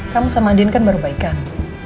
kamu sama din kan baru baikan